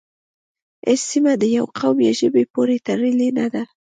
هیڅ سیمه د یوه قوم یا ژبې پورې تړلې نه ده